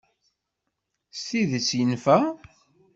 S tidett yenfa?